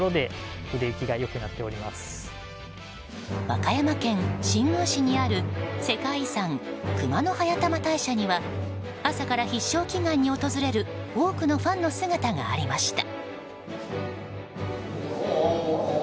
和歌山県新宮市にある世界遺産熊野速玉大社には朝から必勝祈願に訪れる多くのファンの姿がありました。